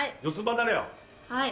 はい。